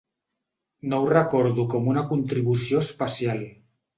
No ho recordo com una contribució especial.